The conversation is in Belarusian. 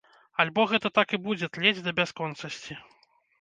Альбо гэта так і будзе тлець да бясконцасці.